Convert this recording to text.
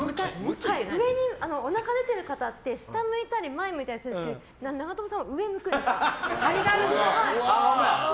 おなかが出てる方って下向いたり前向いたりするんですけど長友さんは上向くんです。